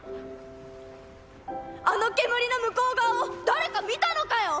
あの煙の向こう側を誰か見たのかよ